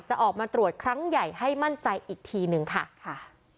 จะออกมาตรวจครั้งใหญ่ให้มั่นใจอีกทีหนึ่งค่ะค่ะ